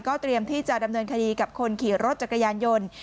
เตรียมที่จะดำเนินคดีกับคนขี่รถจักรยานยนต์